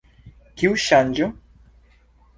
Kiu ŝanĝo?